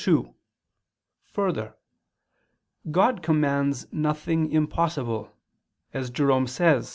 2: Further, God commands nothing impossible, as Jerome [*Pelagius.